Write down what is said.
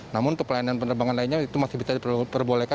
namun untuk pelayanan penerbangan lainnya itu masih bisa diperbolehkan